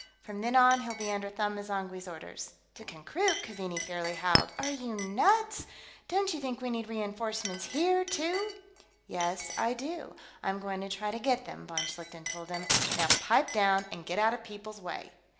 From then on, he'll be under Them M'zangwe's orders." "To Konkrook?" Keaveney fairly howled. "Are you nuts? Don't you think we need reenforcements here, too?" "Yes, I do. I'm going to try to get them," von Schlichten told him. "Now pipe down and get out of people's way."